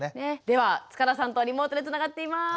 では塚田さんとリモートでつながっています。